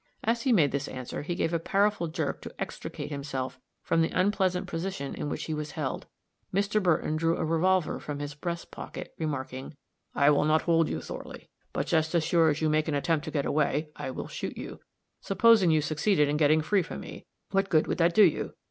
As he made this answer, he gave a powerful jerk to extricate himself from the unpleasant position in which he was held. Mr. Burton drew a revolver from his breast pocket, remarking, "I will not hold you, Thorley; but just as sure as you make an attempt to get away, I will shoot you. Supposing you succeeded in getting free from me what good would that do you?